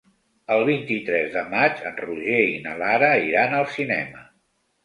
El vint-i-tres de maig en Roger i na Lara iran al cinema.